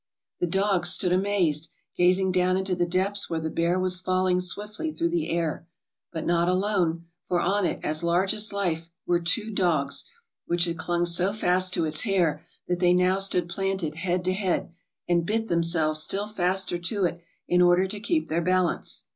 The dogs stood amazed, gazing down into the depths where the bear was falling swiftly through the air — but not alone, for on it, as large as life, were two dogs, which had clung so fast to its hair, that they now stood planted head to head, and bit themselves still faster to it in order to keep their balance.